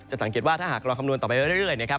สังเกตว่าถ้าหากเราคำนวณต่อไปเรื่อยนะครับ